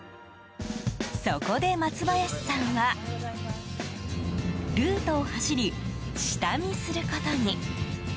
そこで松林さんはルートを走り下見することに。